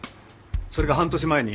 それが半年前に。